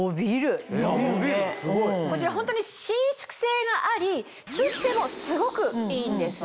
こちらホントに伸縮性があり通気性もすごくいいんです。